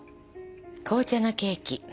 紅茶のケーキ。